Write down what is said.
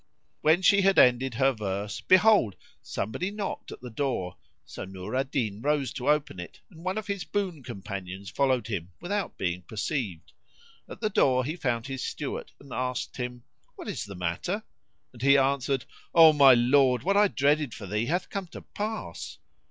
When she had ended her verse behold, somebody knocked at the door. So Nur al Din rose to open it and one of his boon companions followed him without being perceived. At the door he found his Steward and asked him, "What is the matter?"; and he answered, "O my lord, what I dreaded for thee hath come to pass!"